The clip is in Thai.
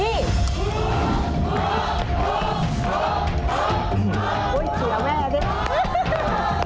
เกียรติแม่เลย